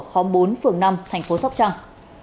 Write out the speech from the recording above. khóm bốn phường năm thành phố sóc trăng